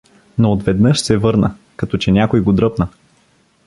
Но отведнъж се върна, като че някой го дръпна.